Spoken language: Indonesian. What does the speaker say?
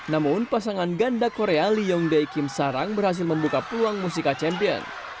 namun pasangan ganda korea lee yong dae kim sarang berhasil membuka peluang musica champions